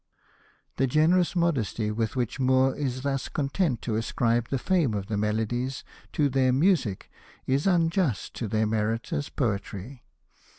The generous modesty with which Moore is thus content to ascribe the fame of the Melodies to their music is unjust to their merit as poetry.